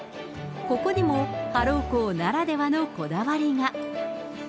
ここにもハロウ校ならではのこだわりが。